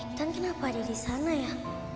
ibtan kenapa ada disana ya